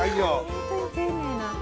本当に丁寧な。